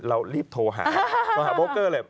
เรารีบโทรหาโทรหาโบเกอร์เลย